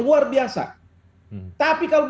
luar biasa tapi kalau